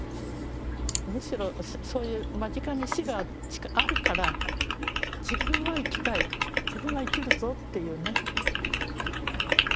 むしろそういう間近に死があるから自分は生きたい自分は生きるぞっていうねとこがあるんじゃない？